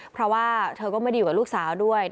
เพราะว่าเธอก็ไม่ได้อยู่กับลูกสาวด้วย